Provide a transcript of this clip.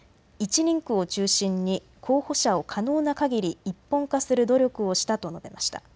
１人区を中心に候補者を可能なかぎり一本化する努力をしたと述べました。